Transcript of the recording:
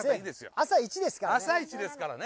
朝一ですからね。